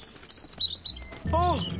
ああ！